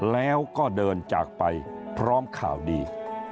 แล้วก็เดินจากไปพร้อมข่าวดี